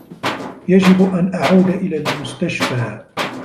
يجب أن أعود الى المستشفى.